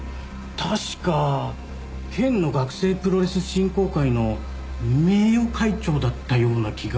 確か県の学生プロレス振興会の名誉会長だったような気が。